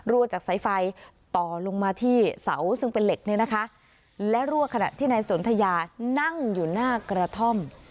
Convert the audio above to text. จากสายไฟต่อลงมาที่เสาซึ่งเป็นเหล็กเนี่ยนะคะและรั่วขณะที่นายสนทยานั่งอยู่หน้ากระท่อม